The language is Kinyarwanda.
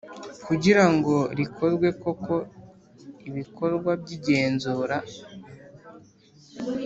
Kugira ngo rikorwe koko ibikorwa by igenzura